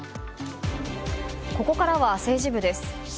ここからは政治部です。